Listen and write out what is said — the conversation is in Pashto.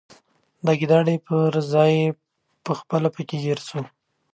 د ګیدړ پر ځای پخپله پکښي ګیر سو